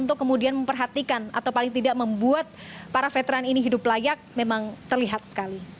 untuk kemudian memperhatikan atau paling tidak membuat para veteran ini hidup layak memang terlihat sekali